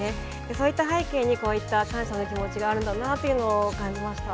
そういった背景にこういった感謝の気持ちがあるんだなというのを感じました。